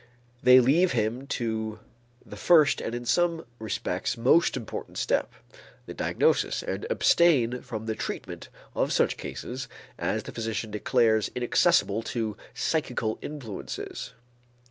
They leave to him the first and in some respects most important step, the diagnosis, and abstain from the treatment of such cases as the physician declares inaccessible to psychical influences.